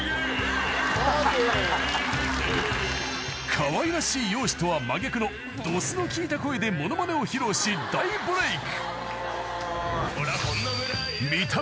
［かわいらしい容姿とは真逆のドスのきいた声でモノマネを披露し大ブレーク！］